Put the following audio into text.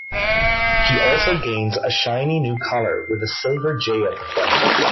He also gains a shiny new collar with a silver 'J' at the front.